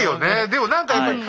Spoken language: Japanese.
でも何かやっぱり。